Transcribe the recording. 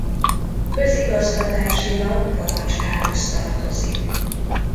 Közigazgatásilag Baracskához tartozik.